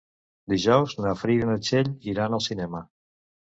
Dijous na Frida i na Txell iran al cinema.